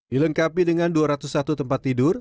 dilengkapi dengan dua ratus satu tempat tidur